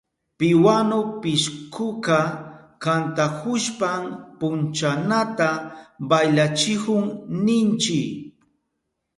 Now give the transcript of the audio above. Piwanu pishkuka kantahushpan punchanata baylachihun ninchi.